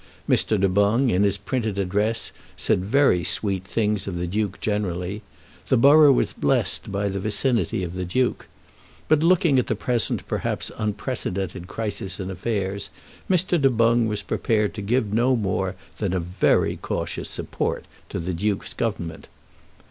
Mr. Du Boung, in his printed address, said very sweet things of the Duke generally. The borough was blessed by the vicinity of the Duke. But, looking at the present perhaps unprecedented crisis in affairs, Mr. Du Boung was prepared to give no more than a very cautious support to the Duke's Government.